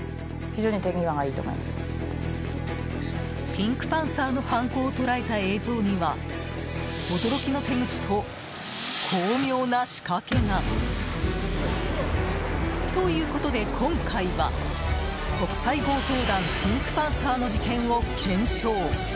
ピンクパンサーの犯行を捉えた映像には驚きの手口と巧妙な仕掛けが。ということで今回は、国際強盗団ピンクパンサーの事件を検証。